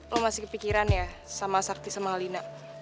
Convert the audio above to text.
kau masih berpikir sama sakti dan alina